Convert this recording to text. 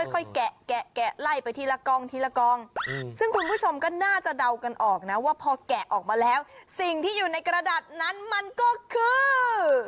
แกะไล่ไปทีละกองทีละกองซึ่งคุณผู้ชมก็น่าจะเดากันออกนะว่าพอแกะออกมาแล้วสิ่งที่อยู่ในกระดาษนั้นมันก็คือ